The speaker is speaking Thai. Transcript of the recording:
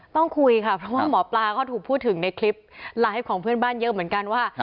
ต้องคุยค่ะเพราะว่าหมอปลาก็ถูกพูดถึงในคลิปไลฟ์ของเพื่อนบ้านเยอะเหมือนกันว่า